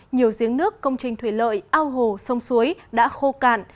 nhiều giếng nước công trình thủy lợi ao hồ sông suối đã khô cạn